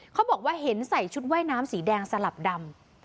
เขาบอกว่าเห็นใส่ชุดว่ายน้ำสีแดงสลับดำ